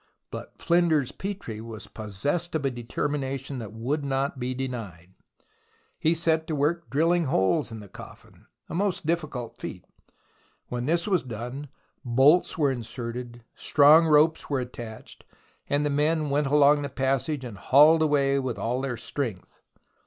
But Flinders Petrie was possessed of a determina tion that would not be denied. He set to work drilling holes in the coffin — a most difficult feat. When this was done bolts were inserted, strong ropes were attached, and the men went along the passage and hauled away with all their strength.